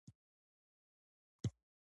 جرم په هره ټولنه کې له جزا سره تړلی دی.